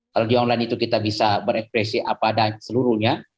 kalau di online itu kita bisa berekspresi apa ada seluruhnya